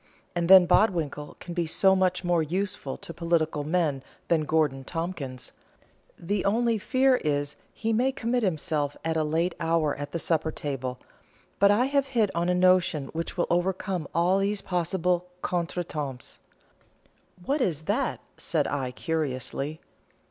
And then Bodwinkle can be so much more useful to political men than Gorgon Tompkins; the only fear is that he may commit himself at a late hour at the supper table, but I have hit on a notion which will overcome all these possible contretemps." "What is that?" said I, curiously.